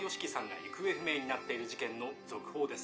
行方不明になっている事件の続報です